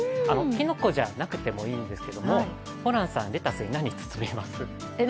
きのこじゃなくてもいいんですけどもホランさん、レタスに何を包みます？